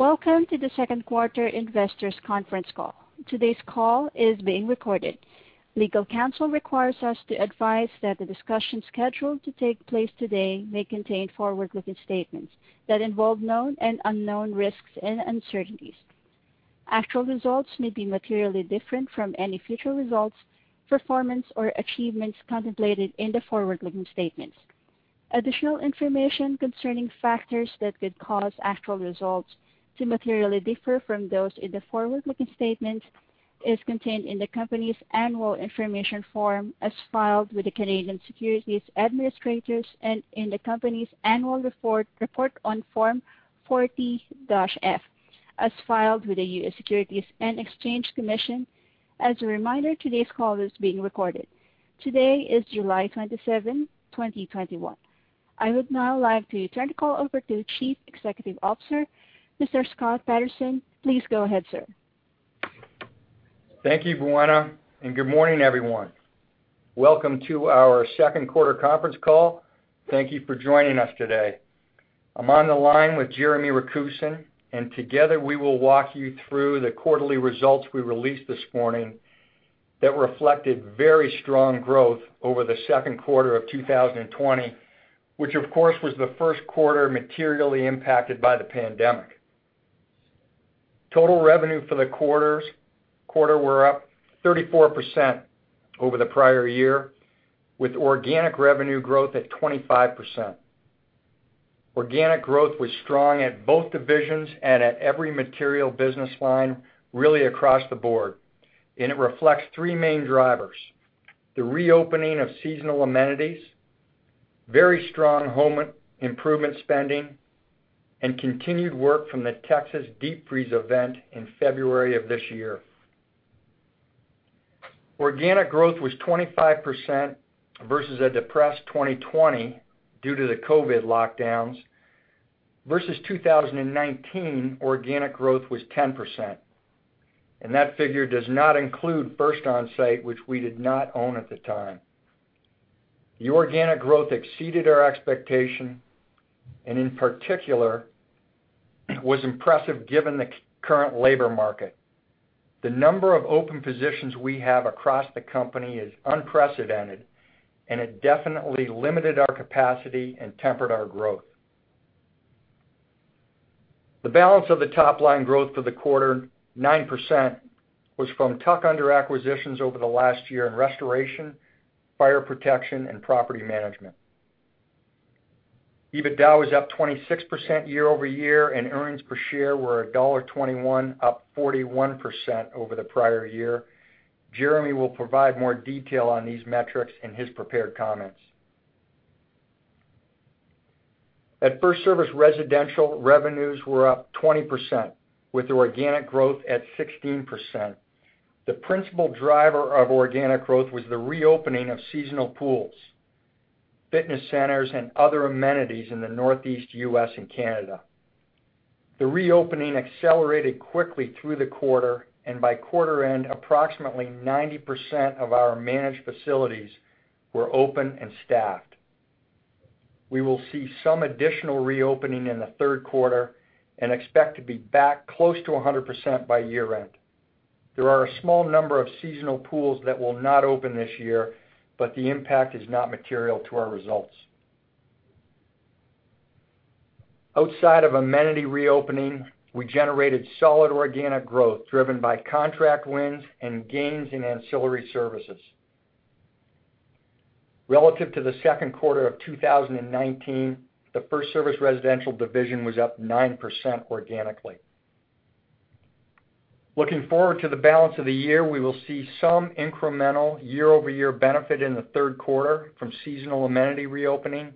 Welcome to the second quarter investors conference call. Today's call is being recorded. Legal counsel requires us to advise that the discussion scheduled to take place today may contain forward-looking statements that involve known and unknown risks and uncertainties. Actual results may be materially different from any future results, performance, or achievements contemplated in the forward-looking statements. Additional information concerning factors that could cause actual results to materially differ from those in the forward-looking statements is contained in the company's annual information form, as filed with the Canadian Securities Administrators and in the company's annual report on Form 40-F, as filed with the U.S. Securities and Exchange Commission. As a reminder, today's call is being recorded. Today is July 27, 2021. I would now like to turn the call over to Chief Executive Officer, Mr. Scott Patterson. Please go ahead, sir. Thank you, Brenna, good morning, everyone. Welcome to our second quarter conference call. Thank you for joining us today. I'm on the line with Jeremy Rakusin, and together we will walk you through the quarterly results we released this morning that reflected very strong growth over the second quarter of 2020, which, of course, was the first quarter materially impacted by the pandemic. Total revenue for the quarter were up 34% over the prior year, with organic revenue growth at 25%. Organic growth was strong at both divisions and at every material business line really across the board. It reflects three main drivers, the reopening of seasonal amenities, very strong home improvement spending, and continued work from the Texas deep freeze event in February of this year. Organic growth was 25% versus a depressed 2020 due to the COVID lockdowns. Versus 2019, organic growth was 10%, and that figure does not include FIRST ONSITE, which we did not own at the time. The organic growth exceeded our expectation and in particular, was impressive given the current labor market. The number of open positions we have across the company is unprecedented, and it definitely limited our capacity and tempered our growth. The balance of the top-line growth for the quarter, 9%, was from tuck-under acquisitions over the last year in restoration, fire protection, and property management. EBITDA was up 26% year-over-year, and earnings per share were $1.21, up 41% over the prior year. Jeremy will provide more detail on these metrics in his prepared comments. At FirstService Residential, revenues were up 20%, with organic growth at 16%. The principal driver of organic growth was the reopening of seasonal pools, fitness centers, and other amenities in the Northeast U.S. and Canada. The reopening accelerated quickly through the quarter, and by quarter end, approximately 90% of our managed facilities were open and staffed. We will see some additional reopening in the third quarter and expect to be back close to 100% by year-end. There are a small number of seasonal pools that will not open this year, but the impact is not material to our results. Outside of amenity reopening, we generated solid organic growth driven by contract wins and gains in ancillary services. Relative to the second quarter of 2019, the FirstService Residential division was up 9% organically. Looking forward to the balance of the year, we will see some incremental year-over-year benefit in the third quarter from seasonal amenity reopening.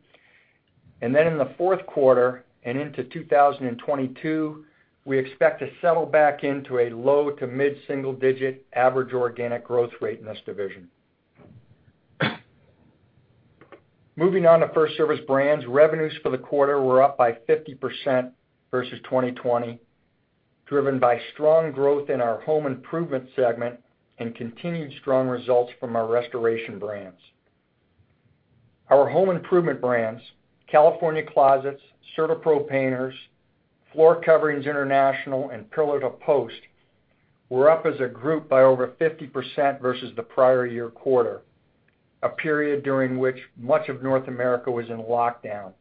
In the fourth quarter and into 2022, we expect to settle back into a low- to mid-single digit average organic growth rate in this division. Moving on to FirstService Brands, revenues for the quarter were up by 50% versus 2020, driven by strong growth in our Home Improvement segment and continued strong results from our Restoration Brands. Our Home Improvement brands, California Closets, CertaPro Painters, Floor Coverings International, and Pillar To Post, were up as a group by over 50% versus the prior year quarter, a period during which much of North America was in lockdown.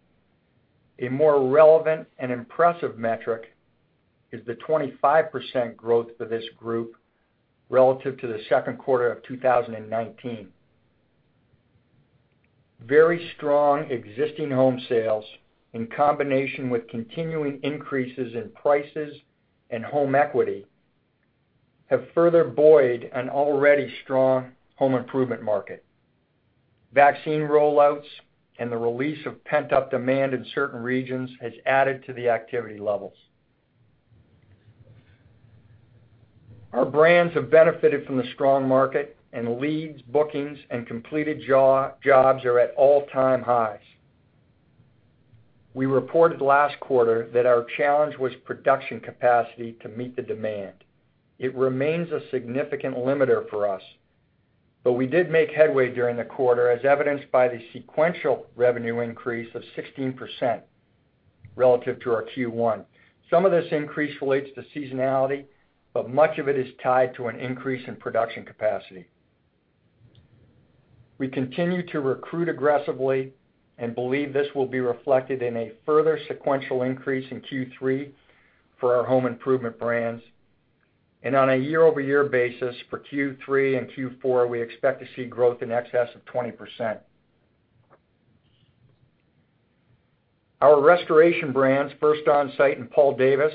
A more relevant and impressive metric is the 25% growth for this group relative to the second quarter of 2019. Very strong existing home sales, in combination with continuing increases in prices and home equity, have further buoyed an already strong Home Improvement market. Vaccine roll-outs and the release of pent-up demand in certain regions has added to the activity levels. Our brands have benefited from the strong market, leads, bookings, and completed jobs are at all-time highs. We reported last quarter that our challenge was production capacity to meet the demand. It remains a significant limiter for us. We did make headway during the quarter, as evidenced by the sequential revenue increase of 16% relative to our Q1. Some of this increase relates to seasonality, but much of it is tied to an increase in production capacity. We continue to recruit aggressively and believe this will be reflected in a further sequential increase in Q3 for our Home Improvement brands. On a year-over-year basis for Q3 and Q4, we expect to see growth in excess of 20%. Our Restoration brands, FIRST ONSITE and Paul Davis,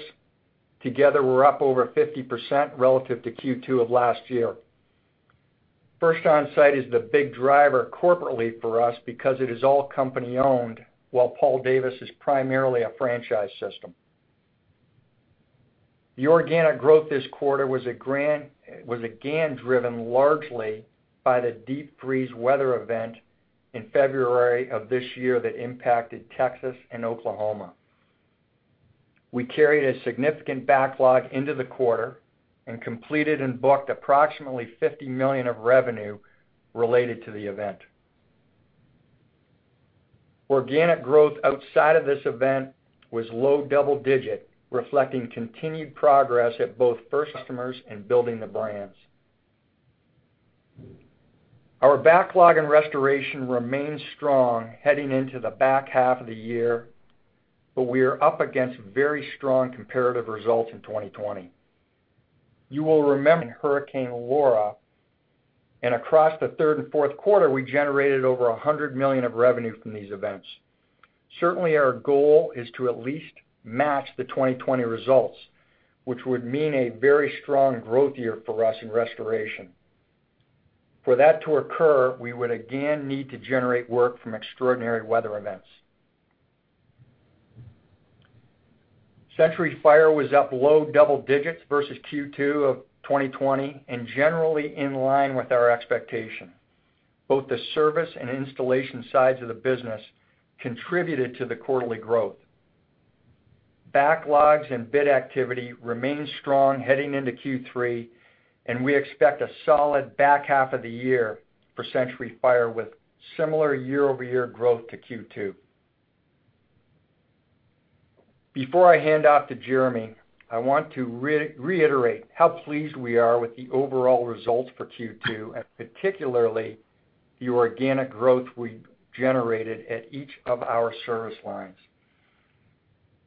together were up over 50% relative to Q2 of last year. FIRST ONSITE is the big driver corporately for us because it is all company-owned, while Paul Davis is primarily a franchise system. The organic growth this quarter was again driven largely by the deep freeze weather event in February of this year that impacted Texas and Oklahoma. We carried a significant backlog into the quarter and completed and booked approximately $50 million of revenue related to the event. Organic growth outside of this event was low-double-digit, reflecting continued progress at both FIRST customers] and building the brands. Our backlog in restoration remains strong heading into the back half of the year but we are up against very strong comparative results in 2020. You will remember Hurricane Laura, and across the third and fourth quarter, we generated over $100 million of revenue from these events. Certainly, our goal is to at least match the 2020 results, which would mean a very strong growth year for us in restoration. For that to occur, we would again need to generate work from extraordinary weather events. Century Fire was up low-double-digits versus Q2 of 2020 and generally in line with our expectation. Both the service and installation sides of the business contributed to the quarterly growth. Backlogs and bid activity remain strong heading into Q3, and we expect a solid back half of the year for Century Fire with similar year-over-year growth to Q2. Before I hand off to Jeremy, I want to reiterate how pleased we are with the overall results for Q2 and particularly the organic growth we generated at each of our service lines.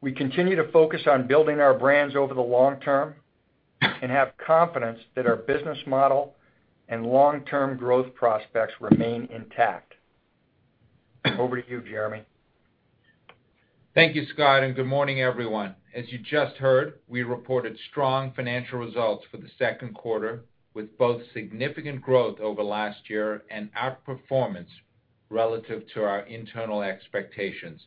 We continue to focus on building our brands over the long-term and have confidence that our business model and long-term growth prospects remain intact. Over to you, Jeremy. Thank you, Scott, and good morning, everyone. As you just heard, we reported strong financial results for the second quarter with both significant growth over last year and outperformance relative to our internal expectations.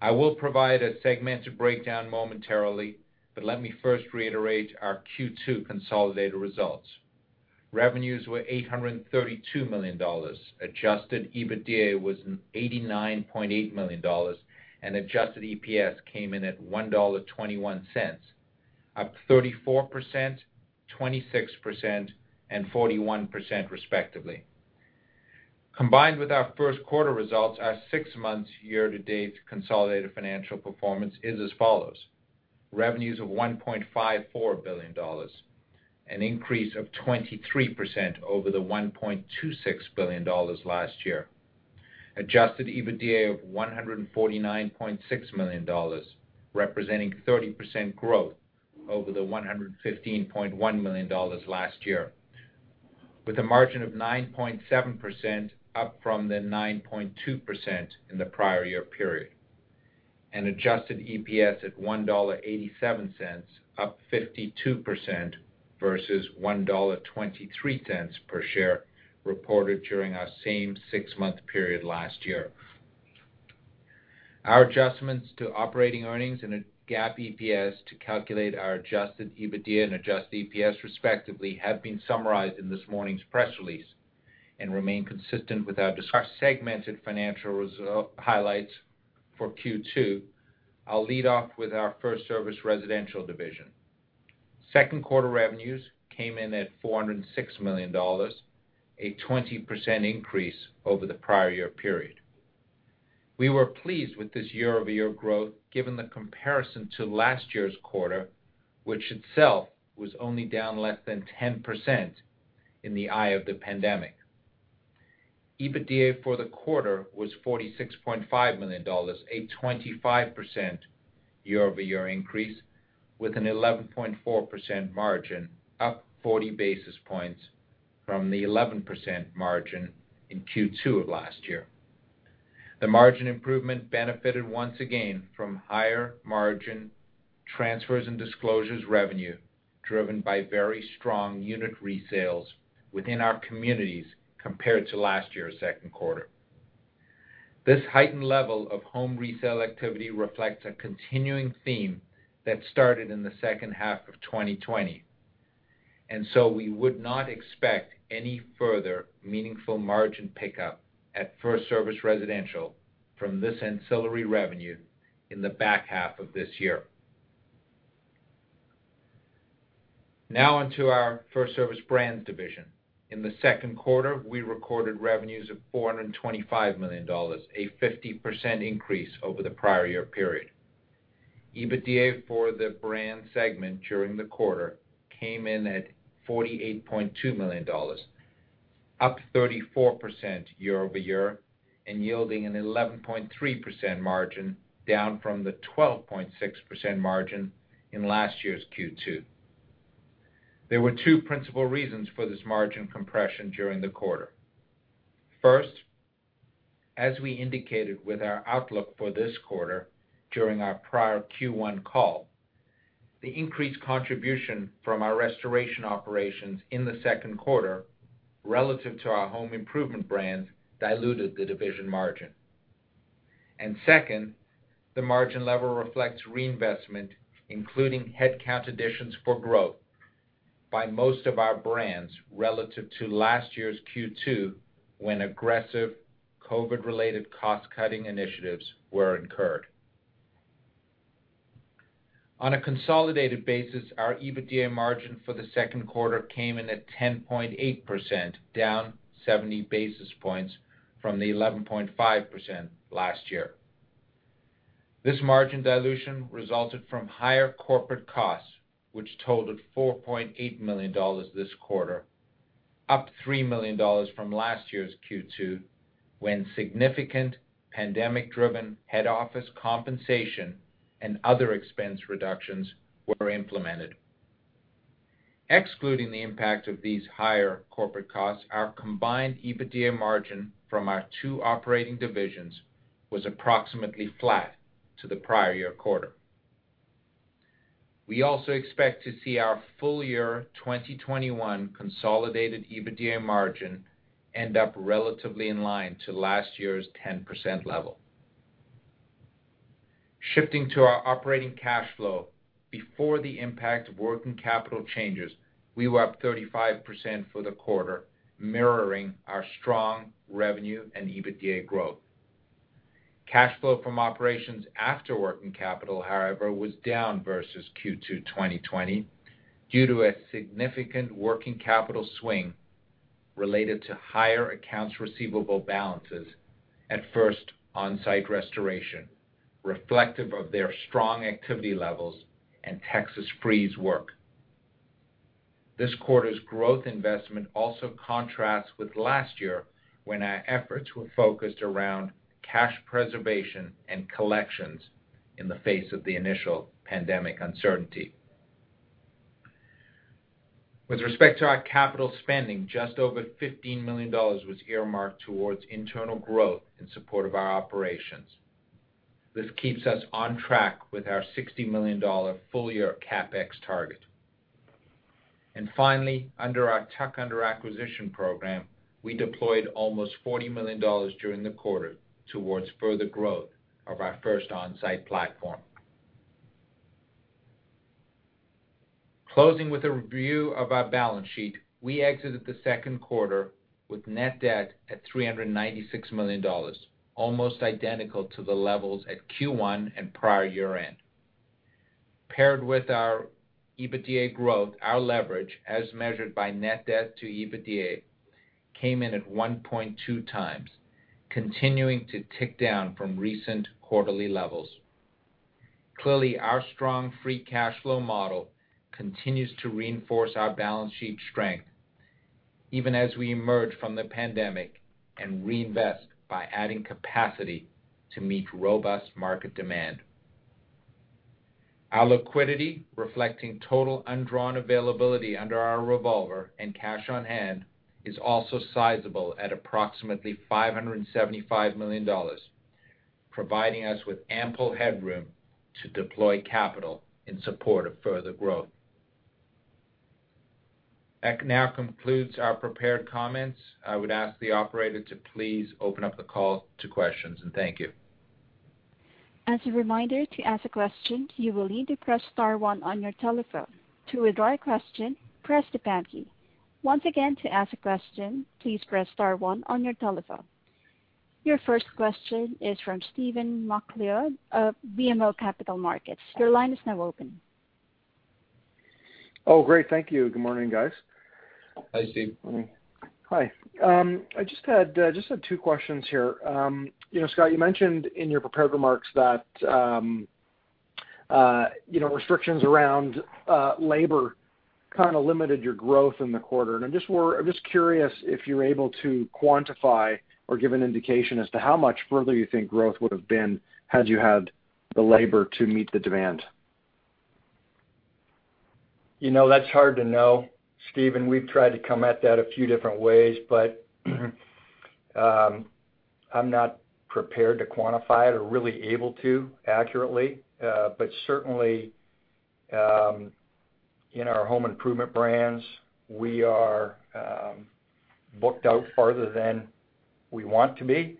I will provide a segmented breakdown momentarily. Let me first reiterate our Q2 consolidated results. Revenues were $832 million. Adjusted EBITDA was $89.8 million, and Adjusted EPS came in at $1.21, up 34%, 26% and 41% respectively. Combined with our first quarter results, our six months year-to-date consolidated financial performance is as follows. Revenues of $1.54 billion, an increase of 23% over the $1.26 billion last year. Adjusted EBITDA of $149.6 million, representing 30% growth over the $115.1 million last year, with a margin of 9.7%, up from the 9.2% in the prior year period. An Adjusted EPS at $1.87, up 52% versus $1.23 per share reported during our same six-month period last year. Our adjustments to operating earnings and GAAP EPS to calculate our Adjusted EBITDA and Adjusted EPS, respectively, have been summarized in this morning's press release and remain consistent with our discussion of segmented financial highlights for Q2. I'll lead off with our FirstService Residential division. Second quarter revenues came in at $406 million, a 20% increase over the prior year period. We were pleased with this year-over-year growth, given the comparison to last year's quarter, which itself was only down less than 10% in the eye of the pandemic. EBITDA for the quarter was $46.5 million, a 25% year-over-year increase, with an 11.4% margin, up 40 basis points from the 11% margin in Q2 of last year. The margin improvement benefited once again from higher margin transfers and disclosures revenue, driven by very strong unit resales within our communities compared to last year's second quarter. This heightened level of home resale activity reflects a continuing theme that started in the second half of 2020. We would not expect any further meaningful margin pickup at FirstService Residential from this ancillary revenue in the back half of this year. Now onto our FirstService Brands division. In the second quarter, we recorded revenues of $425 million, a 50% increase over the prior year period. EBITDA for the brand segment during the quarter came in at $48.2 million, up 34% year-over-year, and yielding an 11.3% margin, down from the 12.6% margin in last year's Q2. There were two principal reasons for this margin compression during the quarter. First, as we indicated with our outlook for this quarter during our prior Q1 call, the increased contribution from our restoration operations in the second quarter relative to our Home Improvement brands diluted the division margin. Second, the margin level reflects reinvestment, including headcount additions for growth by most of our brands relative to last year's Q2, when aggressive COVID-related cost-cutting initiatives were incurred. On a consolidated basis, our EBITDA margin for the second quarter came in at 10.8%, down 70 basis points from the 11.5% last year. This margin dilution resulted from higher corporate costs, which totaled $4.8 million this quarter, up $3 million from last year's Q2, when significant pandemic-driven head office compensation and other expense reductions were implemented. Excluding the impact of these higher corporate costs, our combined EBITDA margin from our two operating divisions was approximately flat to the prior year quarter. We also expect to see our full year 2021 consolidated EBITDA margin end up relatively in line to last year's 10% level. Shifting to our operating cash flow, before the impact of working capital changes, we were up 35% for the quarter, mirroring our strong revenue and EBITDA growth. Cash flow from operations after working capital, however, was down versus Q2 2020 due to a significant working capital swing related to higher accounts receivable balances at FIRST ONSITE Restoration, reflective of their strong activity levels and Texas freeze work. This quarter's growth investment also contrasts with last year, when our efforts were focused around cash preservation and collections in the face of the initial pandemic uncertainty. With respect to our capital spending, just over $15 million was earmarked towards internal growth in support of our operations. This keeps us on track with our $60 million full-year CapEx target. Finally, under our tuck-under acquisitions program, we deployed almost $40 million during the quarter towards further growth of our FIRST ONSITE platform. Closing with a review of our balance sheet, we exited the second quarter with net debt at $396 million, almost identical to the levels at Q1 and prior year-end. Paired with our EBITDA growth, our leverage, as measured by net debt to EBITDA, came in at 1.2x, continuing to tick down from recent quarterly levels. Clearly, our strong free cash flow model continues to reinforce our balance sheet strength, even as we emerge from the pandemic and reinvest by adding capacity to meet robust market demand. Our liquidity, reflecting total undrawn availability under our revolver and cash on hand, is also sizable at approximately $575 million, providing us with ample headroom to deploy capital in support of further growth. That now concludes our prepared comments. I would ask the Operator to please open up the call to questions, and thank you. As a reminder, to ask a question, you will need to press star one on your telephone. To withdraw a question, press the pound key. Once again, to ask a question, please press star one on your telephone. Your first question is from Stephen MacLeod of BMO Capital Markets. Your line is now open. Oh, great. Thank you. Good morning, guys. Hi, Steve. Morning. Hi. I just had two questions here. Scott, you mentioned in your prepared remarks that restrictions around labor kind of limited your growth in the quarter. I'm just curious if you're able to quantify or give an indication as to how much further you think growth would have been had you had the labor to meet the demand. That's hard to know, Stephen. We've tried to come at that a few different ways, but I'm not prepared to quantify it or really able to accurately. Certainly, in our home improvement brands, we are booked out farther than we want to be,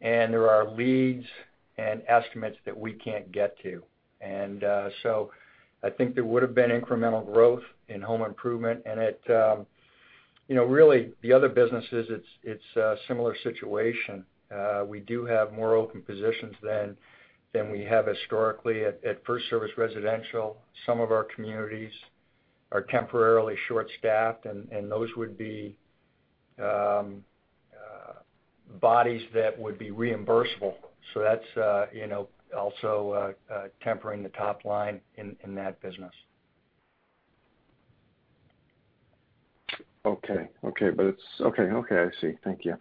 and there are leads and estimates that we can't get to. I think there would've been incremental growth in home improvement. The other businesses, it's a similar situation. We do have more open positions than we have historically at FirstService Residential. Some of our communities are temporarily short-staffed, those would be bodies that would be reimbursable. That's also tempering the top line in that business. Okay. I see. Thank you.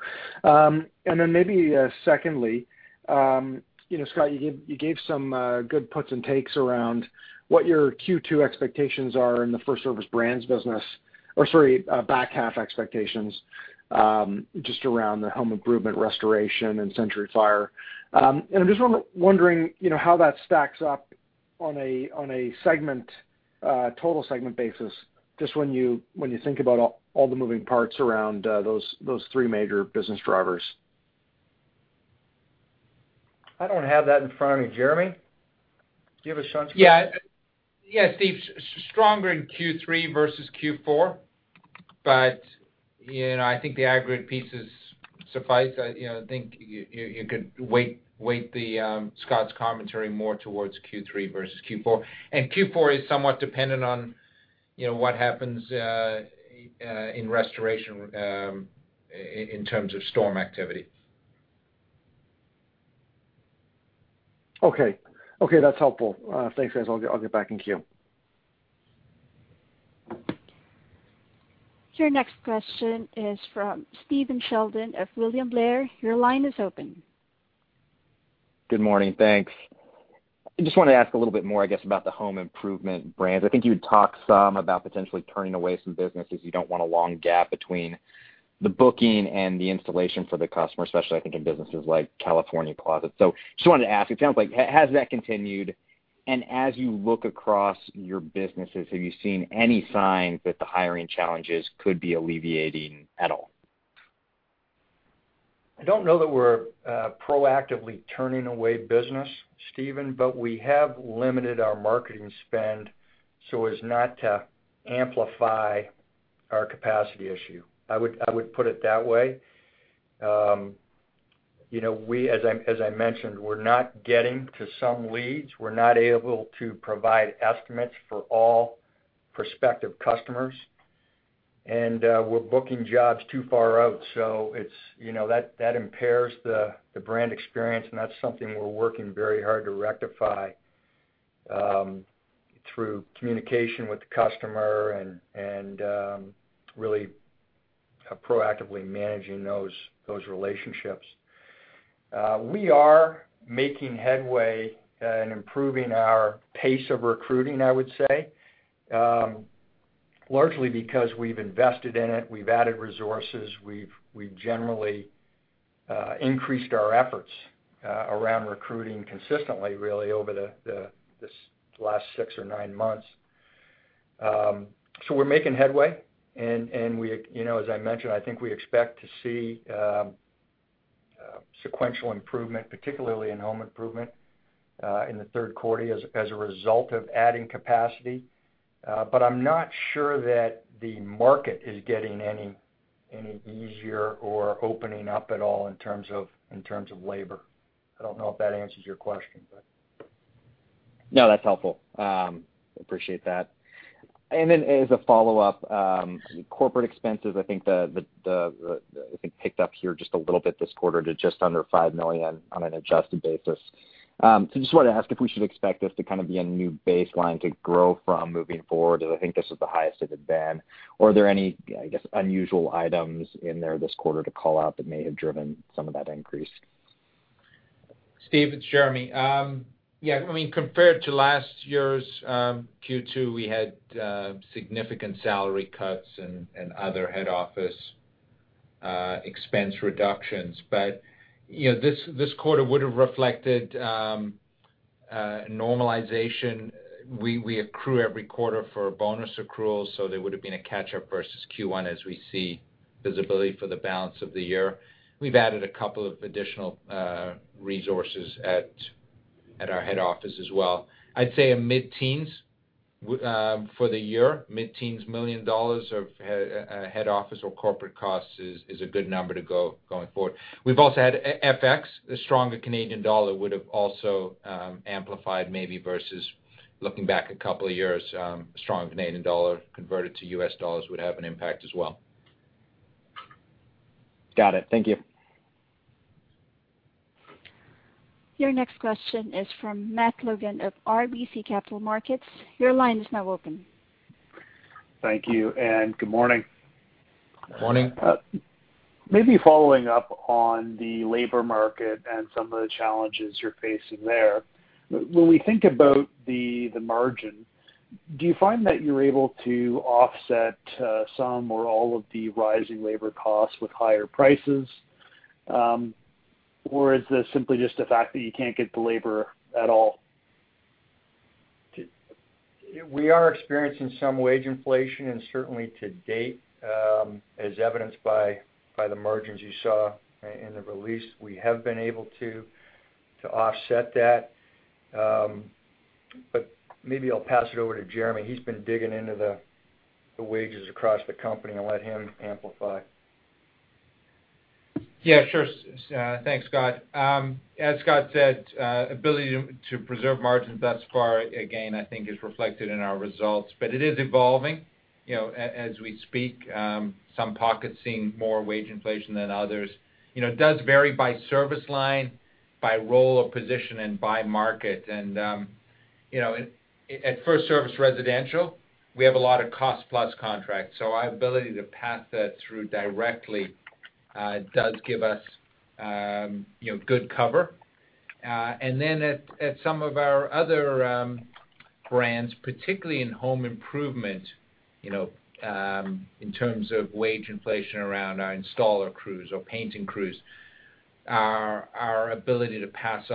Maybe secondly, Scott, you gave some good puts and takes around what your Q2 expectations are in the FirstService Brands business. Or sorry, back half expectations, just around the home improvement, restoration, and Century Fire. I'm just wondering how that stacks up on a total segment basis, just when you think about all the moving parts around those three major business drivers. I don't have that in front of me. Jeremy, do you have a sense? Yeah. Stephen, stronger in Q3 versus Q4. I think the aggregate piece is suffice. I think you could weight Scott's commentary more towards Q3 versus Q4. Q4 is somewhat dependent on what happens in restoration in terms of storm activity. Okay. That's helpful. Thanks, guys. I'll get back in queue. Your next question is from Stephen Sheldon of William Blair. Your line is open. Good morning. Thanks. I just wanted to ask a little bit more, I guess, about the Home Improvement brands. I think you had talked some about potentially turning away some business if you don't want a long gap between the booking and the installation for the customer, especially, I think, in businesses like California Closets. Just wanted to ask, it sounds like, has that continued? As you look across your businesses, have you seen any signs that the hiring challenges could be alleviating at all? I don't know that we're proactively turning away business, Stephen, but we have limited our marketing spend so as not to amplify our capacity issue. I would put it that way. We, as I mentioned, we're not getting to some leads. We're not able to provide estimates for all prospective customers, and we're booking jobs too far out. That impairs the brand experience, and that's something we're working very hard to rectify through communication with the customer and really proactively managing those relationships. We are making headway in improving our pace of recruiting, I would say. Largely because we've invested in it, we've added resources, we've generally increased our efforts around recruiting consistently, really, over this last six or nine months. We're making headway, and as I mentioned, I think we expect to see sequential improvement, particularly in home improvement, in the third quarter as a result of adding capacity. I'm not sure that the market is getting any easier or opening up at all in terms of labor. I don't know if that answers your question. No, that's helpful. Appreciate that. As a follow-up, corporate expenses, I think picked up here just a little bit this quarter to just under $5 million on an adjusted basis. Just wanted to ask if we should expect this to kind of be a new baseline to grow from moving forward, as I think this is the highest it had been. Are there any, I guess, unusual items in there this quarter to call out that may have driven some of that increase? Stephen, it's Jeremy. Yeah. Compared to last year's Q2, we had significant salary cuts and other head office expense reductions. This quarter would've reflected normalization. We accrue every quarter for bonus accruals, there would've been a catch-up versus Q1 as we see visibility for the balance of the year. We've added a couple of additional resources at our head office as well. I'd say a mid-teens for the year. $mid-teens million of head office or corporate costs is a good number to go going forward. We've also had FX. The stronger Canadian dollar would've also amplified maybe versus looking back a couple of years, a strong Canadian dollar converted to U.S. dollars would have an impact as well. Got it. Thank you. Your next question is from Matt Logan of RBC Capital Markets. Your line is now open. Thank you, and good morning. Morning. Maybe following up on the labor market and some of the challenges you're facing there. When we think about the margin, do you find that you're able to offset some or all of the rising labor costs with higher prices? Or is this simply just the fact that you can't get the labor at all? We are experiencing some wage inflation, and certainly to date, as evidenced by the margins you saw in the release, we have been able to offset that. Maybe I'll pass it over to Jeremy. He's been digging into the wages across the company. I'll let him amplify. Yeah, sure. Thanks, Scott. As Scott said, ability to preserve margins thus far, again, I think is reflected in our results, but it is evolving. As we speak, some pockets seeing more wage inflation than others. It does vary by service line, by role of position, and by market. At FirstService Residential, we have a lot of cost-plus contracts, so our ability to pass that through directly does give us good cover. At some of our other brands, particularly in Home Improvement, in terms of wage inflation around our installer crews or painting crews, our ability to pass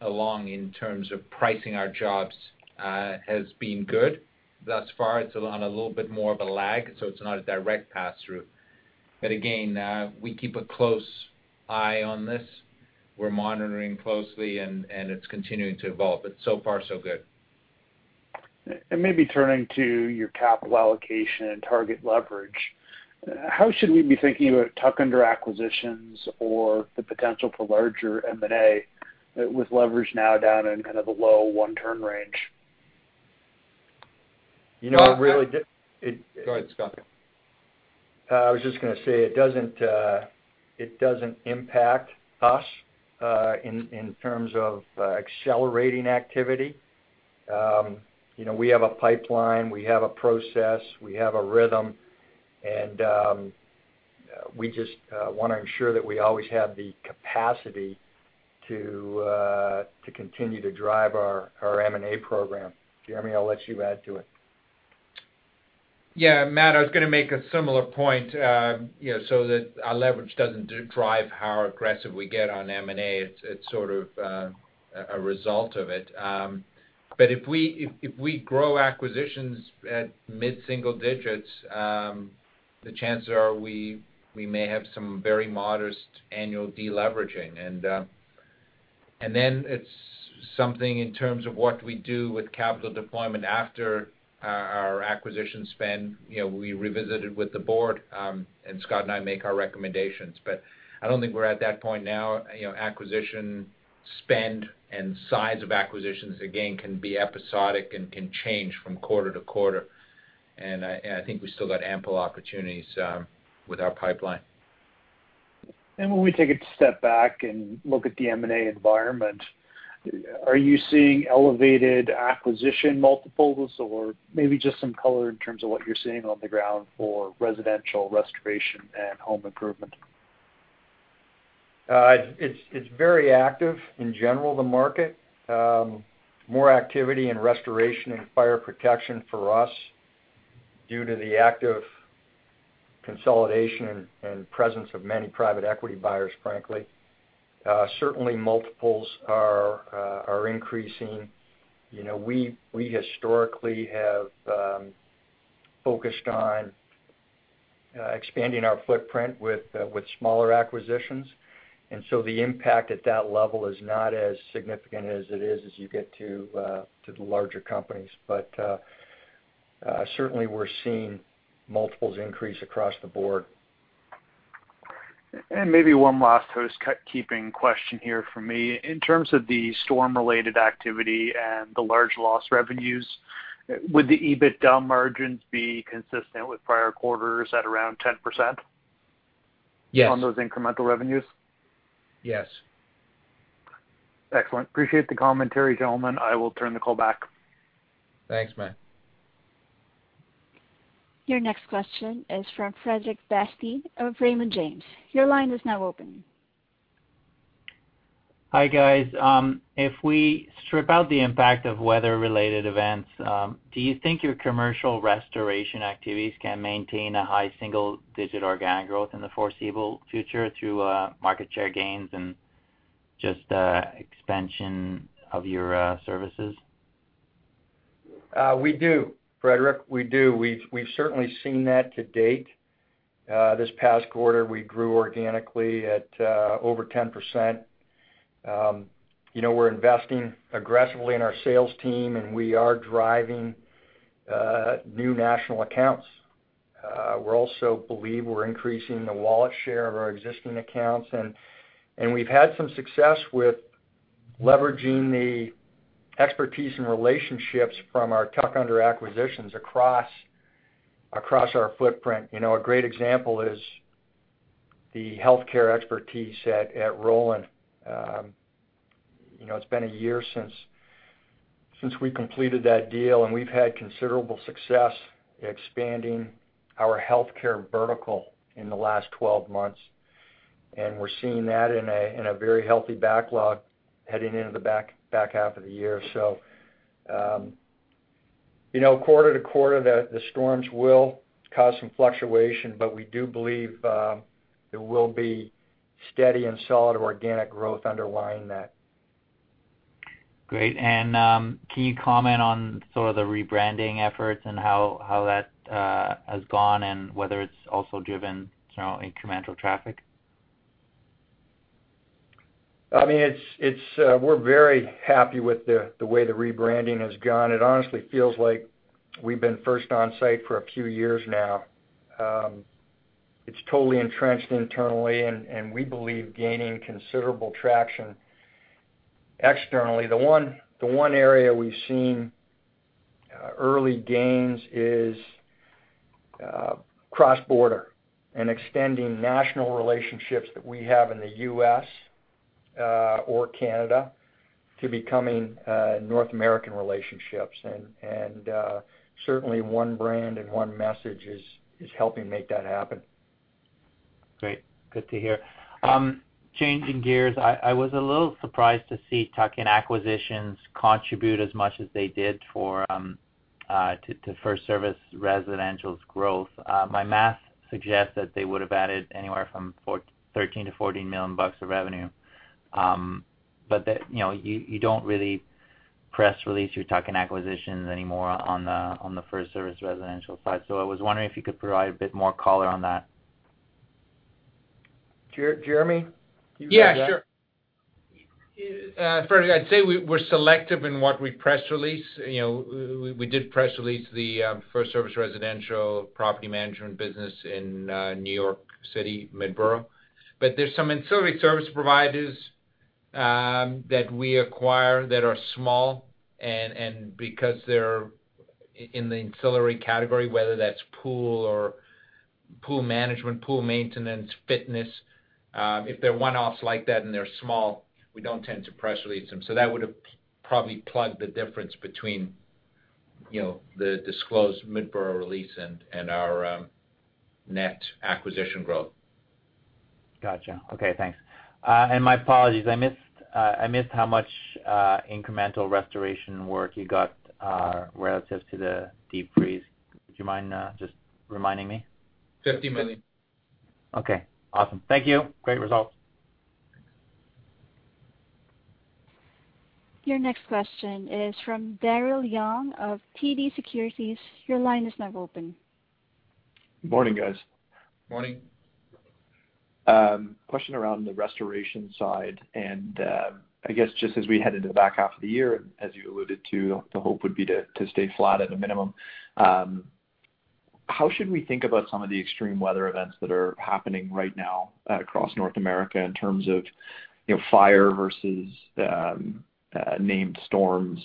along in terms of pricing our jobs has been good thus far. It's on a little bit more of a lag, so it's not a direct pass-through. Again, we keep a close eye on this. We're monitoring closely and it's continuing to evolve, but so far so good. Maybe turning to your capital allocation and target leverage, how should we be thinking about tuck-under acquisitions or the potential for larger M&A with leverage now down in kind of the low one-term range? You know, it really- Go ahead, Scott. I was just going to say, it doesn't impact us in terms of accelerating activity. We have a pipeline, we have a process, we have a rhythm, and we just want to ensure that we always have the capacity to continue to drive our M&A program. Jeremy, I'll let you add to it. Yeah, Matt, I was going to make a similar point, so that our leverage doesn't drive how aggressive we get on M&A. It's sort of a result of it. If we grow acquisitions at mid-single digits, the chances are we may have some very modest annual de-leveraging. It's something in terms of what we do with capital deployment after our acquisition spend. We revisit it with the Board, and Scott and I make our recommendations, but I don't think we're at that point now. Acquisition spend and size of acquisitions, again, can be episodic and can change from quarter to quarter, and I think we still got ample opportunities with our pipeline. When we take a step back and look at the M&A environment, are you seeing elevated acquisition multiples or maybe just some color in terms of what you're seeing on the ground for residential restoration and home improvement? It's very active in general, the market. More activity in restoration and fire protection for us due to the active consolidation and presence of many private equity buyers, frankly. Certainly, multiples are increasing. We historically have focused on expanding our footprint with smaller acquisitions. The impact at that level is not as significant as it is as you get to the larger companies. Certainly, we're seeing multiples increase across the board. Maybe one last housekeeping question here from me. In terms of the storm-related activity and the large loss revenues, would the EBITDA margins be consistent with prior quarters at around 10%? Yes. On those incremental revenues? Yes. Excellent. Appreciate the commentary, gentlemen. I will turn the call back. Thanks, Matt. Your next question is from Frederic Bastien of Raymond James. Your line is now open. Hi, guys. If we strip out the impact of weather-related events, do you think your commercial restoration activities can maintain a high single-digit organic growth in the foreseeable future through market share gains and just expansion of your services? We do, Frederic. We do. We've certainly seen that to date. This past quarter, we grew organically at over 10%. We're investing aggressively in our sales team, and we are driving new national accounts. We also believe we're increasing the wallet share of our existing accounts, and we've had some success with leveraging the expertise and relationships from our tuck-under acquisitions across our footprint. A great example is the healthcare expertise at Rolyn. It's been a year since we completed that deal, and we've had considerable success expanding our healthcare vertical in the last 12 months, and we're seeing that in a very healthy backlog heading into the back half of the year. Quarter-to-quarter, the storms will cause some fluctuation, but we do believe there will be steady and solid organic growth underlying that. Great. Can you comment on sort of the rebranding efforts and how that has gone and whether it's also driven incremental traffic? We're very happy with the way the rebranding has gone. It honestly feels like we've been FIRST ONSITE for a few years now. It's totally entrenched internally, and we believe gaining considerable traction externally. The one area we've seen early gains is cross-border and extending national relationships that we have in the U.S. or Canada to becoming North American relationships. Certainly, one brand and one message is helping make that happen. Great. Good to hear. Changing gears, I was a little surprised to see tuck-in acquisitions contribute as much as they did to FirstService Residential's growth. My math suggests that they would have added anywhere from $13 million-$40 million of revenue. You don't really press release your tuck-in acquisitions anymore on the FirstService Residential Side. I was wondering if you could provide a bit more color on that. Jeremy, you got that? Yeah, sure. Firstly, I'd say we're selective in what we press release. We did press release the FirstService Residential property management business in New York City, Midboro. There's some ancillary service providers that we acquire that are small, and because they're in the ancillary category, whether that's pool or pool management, pool maintenance, fitness. If they're one-offs like that and they're small, we don't tend to press release them. That would've probably plugged the difference between the disclosed Midboro release and our net acquisition growth. Got you. Okay, thanks. My apologies, I missed how much incremental restoration work you got relative to the deep freeze. Would you mind just reminding me? $50 million. Okay, awesome. Thank you. Great results. Your next question is from Daryl Young of TD Securities. Your line is now open. Morning, guys. Morning. Question around the restoration side. I guess just as we head into the back half of the year, as you alluded to, the hope would be to stay flat at a minimum. How should we think about some of the extreme weather events that are happening right now across North America in terms of fire versus named storms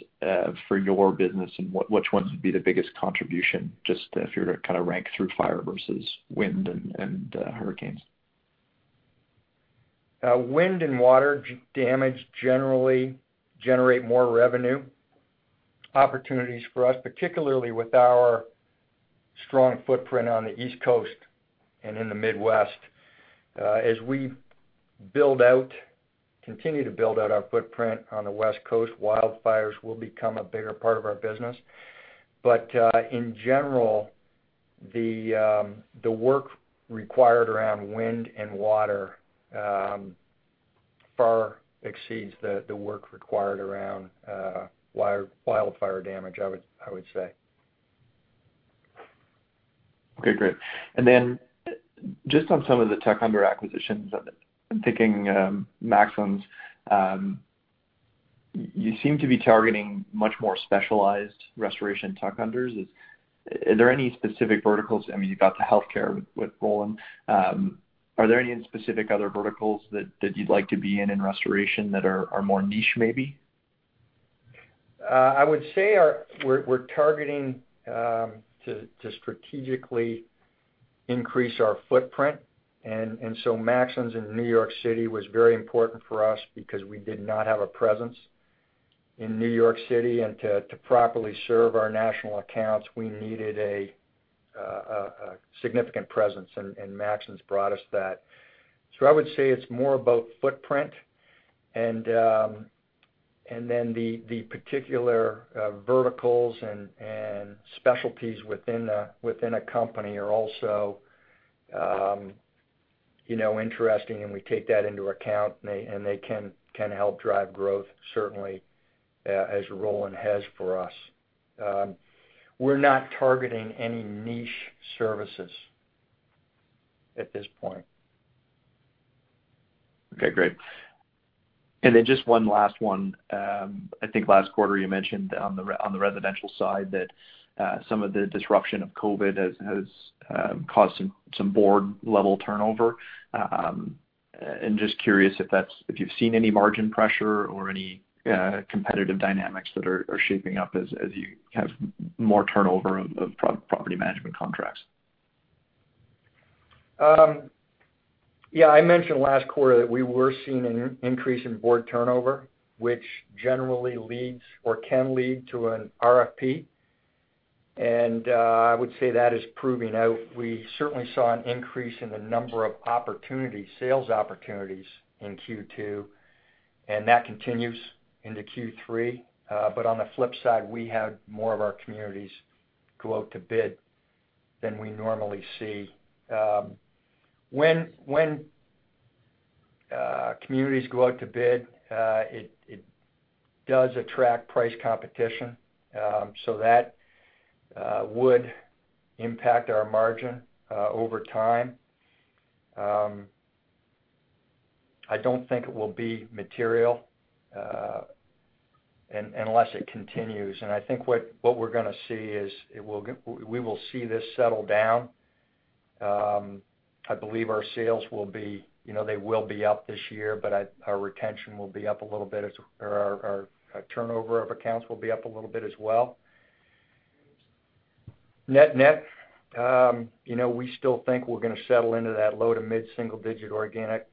for your business, and which ones would be the biggest contribution, just if you were to rank through fire versus wind and hurricanes? Wind and water damage generally generate more revenue opportunities for us, particularly with our strong footprint on the East Coast and in the Midwest. As we continue to build out our footprint on the West Coast, wildfires will become a bigger part of our business. In general, the work required around wind and water far exceeds the work required around wildfire damage, I would say. Okay, great. Just on some of the tuck-under acquisitions, I'm thinking Maxons. You seem to be targeting much more specialized restoration tuck-unders. Is there any specific verticals? You got to healthcare with Rolyn. Are there any specific other verticals that you'd like to be in in restoration that are more niche maybe? I would say we're targeting to strategically increase our footprint. Maxons in New York City was very important for us because we did not have a presence in New York City. To properly serve our national accounts, we needed a significant presence, and Maxons brought us that. I would say it's more about footprint, and then the particular verticals and specialties within a company are also interesting, and we take that into account, and they can help drive growth, certainly, as Rolyn has for us. We're not targeting any niche services at this point. Okay, great. Just one last one. I think last quarter you mentioned on the residential side that some of the disruption of COVID has caused some board-level turnover. I'm just curious if you've seen any margin pressure or any competitive dynamics that are shaping up as you have more turnover of property management contracts. Yeah, I mentioned last quarter that we were seeing an increase in board turnover, which generally leads or can lead to an RFP. I would say that is proving out. We certainly saw an increase in the number of sales opportunities in Q2, and that continues into Q3. On the flip side, we had more of our communities go out to bid than we normally see. When communities go out to bid, it does attract price competition, so that would impact our margin over time. I don't think it will be material unless it continues. I think what we're going to see is we will see this settle down. I believe our sales, they will be up this year, but our retention will be up a little bit, or our turnover of accounts will be up a little bit as well. Net-net, we still think we're going to settle into that low to mid-single digit organic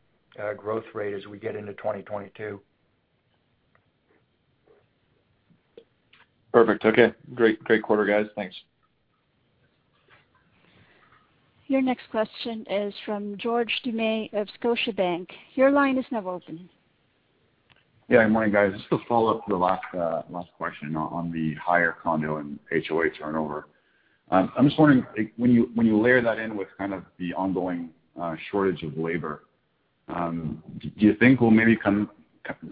growth rate as we get into 2022. Perfect. Okay. Great quarter, guys. Thanks. Your next question is from George Doumet of Scotiabank. Your line is now open. Yeah. Good morning, guys. Just to follow up to the last question on the higher condo and HOA turnover. I'm just wondering, when you layer that in with kind of the ongoing shortage of labor, do you think we'll maybe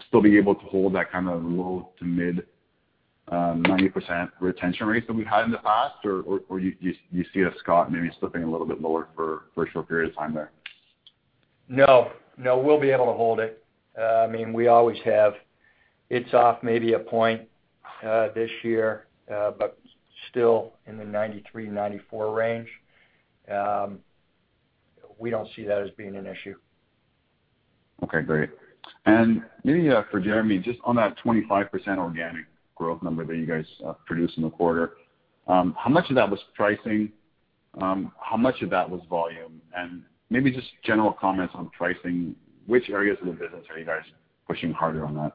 still be able to hold that kind of low to mid 90% retention rates that we had in the past, or you see us, Scott, maybe slipping a little bit lower for a short period of time there? No. We'll be able to hold it. We always have. It's off maybe a point this year, but still in the 93, 94 range. We don't see that as being an issue. Okay, great. Maybe for Jeremy, just on that 25% organic growth number that you guys produced in the quarter, how much of that was pricing? How much of that was volume? Maybe just general comments on pricing. Which areas of the business are you guys pushing harder on that?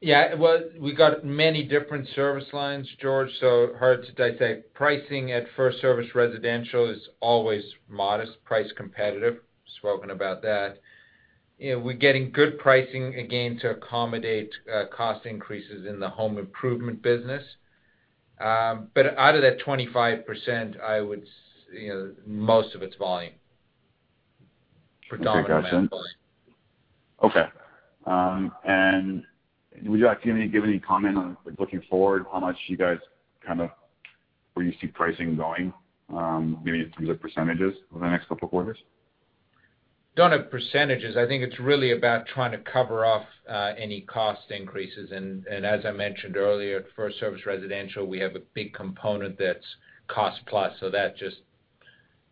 Yeah. Well, we got many different service lines, George, so hard to dissect pricing at FirstService Residential is always modest, price competitive. Spoken about that. We're getting good pricing again to accommodate cost increases in the Home Improvement business. But out of that 25%, most of it's volume. Predominantly volume. Okay, gotcha. Okay. Would you give any comment on looking forward, how much you guys kind of where you see pricing going, maybe in terms of percentages over the next couple of quarters? Don't have percentage. I think it's really about trying to cover off any cost increases. As I mentioned earlier, at FirstService Residential, we have a big component that's cost plus, so that just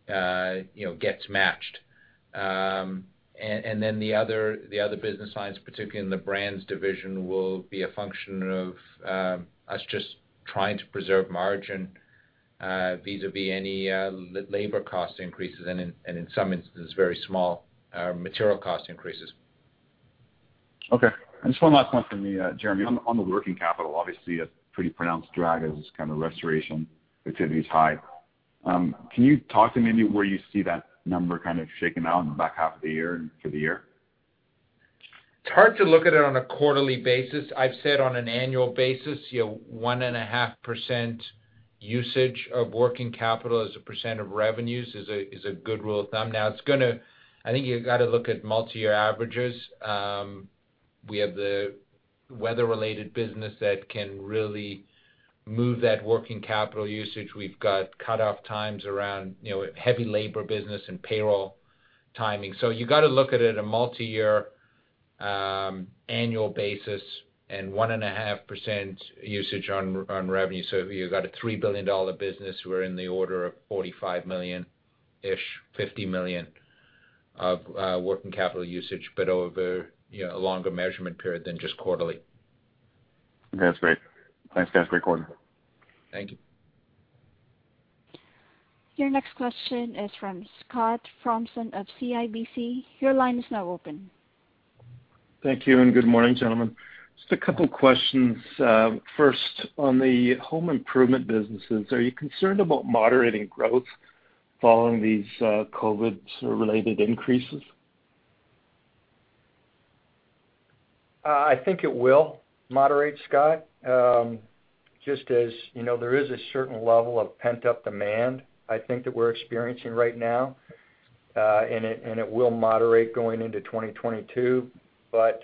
gets matched. Then the other business lines, particularly in the brands division, will be a function of us just trying to preserve margin vis-a-vis any labor cost increases and in some instances, very small material cost increases. Okay. Just one last one for me, Jeremy. On the working capital, obviously a pretty pronounced drag as kind of restoration activity is high. Can you talk to maybe where you see that number kind of shaking out in the back half of the year and for the year? It's hard to look at it on a quarterly basis. I've said on an annual basis, 1.5% usage of working capital as a percent of revenues is a good rule of thumb. I think you've got to look at multi-year averages. We have the weather-related business that can really move that working capital usage. We've got cutoff times around heavy labor business and payroll timing. You got to look at it a multi-year annual basis and 1.5% usage on revenue. If you've got a $3 billion business, we're in the order of $45 million-ish, $50 million of working capital usage, but over a longer measurement period than just quarterly. That's great. Thanks, guys. Great quarter. Thank you. Your next question is from Scott Fromson of CIBC. Your line is now open. Thank you, and good morning, gentlemen. Just a couple questions. First, on the Home Improvement businesses, are you concerned about moderating growth following these COVID-related increases? I think it will moderate, Scott. Just as there is a certain level of pent-up demand I think that we're experiencing right now, and it will moderate going into 2022. The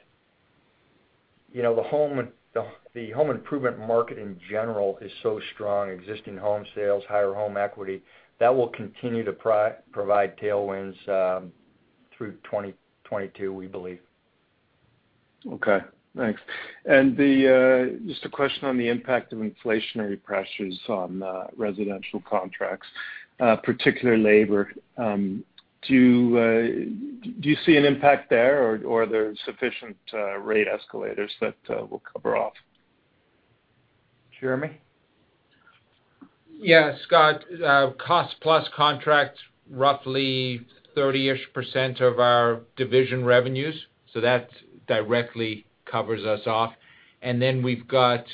Home Improvement market in general is so strong, existing home sales, higher home equity, that will continue to provide tailwinds through 2022, we believe. Okay. Thanks. Just a question on the impact of inflationary pressures on residential contracts, particularly labor. Do you see an impact there, or are there sufficient rate escalators that will cover off? Jeremy? Yeah. Scott, cost-plus contracts roughly 30-ish% of our division revenues. That directly covers us off. We've got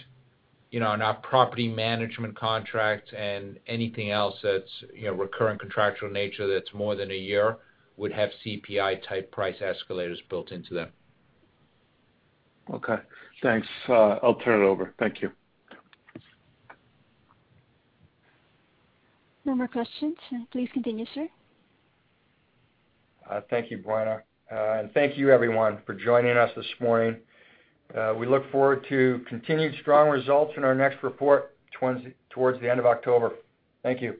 in our property management contract and anything else that's recurring contractual nature that's more than a year would have CPI type price escalators built into them. Okay. Thanks. I'll turn it over. Thank you. No more questions. Please continue, sir. Thank you, Brenna. Thank you everyone for joining us this morning. We look forward to continued strong results in our next report towards the end of October. Thank you.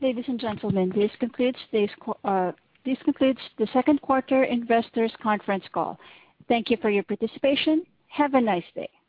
Ladies and gentlemen, this concludes the second quarter investors conference call. Thank you for your participation. Have a nice day.